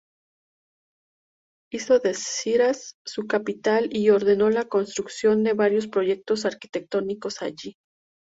Hizo de Shiraz su capital y ordenó la construcción de varios proyectos arquitectónicos allí.